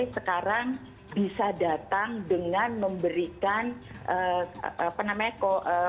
sekarang bisa datang dengan memberikan apa namanya kok